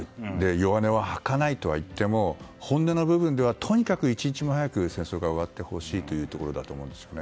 弱音を吐かないとはいっても本音の部分ではとにかく１日でも早く戦争が終わってほしいというところだと思うんですよね。